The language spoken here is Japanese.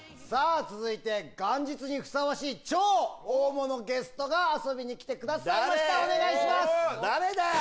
さあ、続いて元日にふさわしい、超大物ゲストが遊びに来てくださいました。